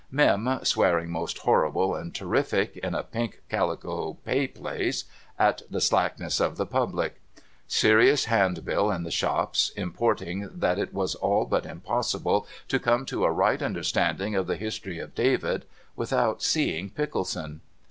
Mini swearing most horrible and terrific, in a pink calico pay place, at the slackness of the public. Serious handbill in the shops, importing that it was all but impossible to come to a right understanding of the history of David without seeing Pickleson.